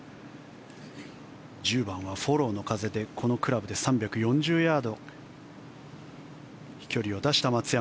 １０番はフォローの風でこのクラブで３４０ヤード飛距離を出した松山。